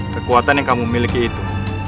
kekuatan yang kamu miliki itu